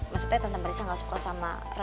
maksudnya tante marissa gak suka sama reva